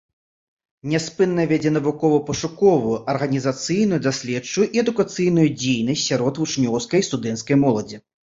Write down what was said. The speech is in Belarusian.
Няспынна вядзе навукова-пошукавую, арганізацыйную, даследчую і адукацыйную дзейнасць сярод вучнёўскай і студэнцкай моладзі.